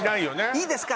いいですか？